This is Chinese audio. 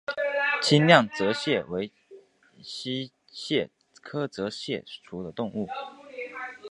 清亮泽蟹为溪蟹科泽蟹属的动物。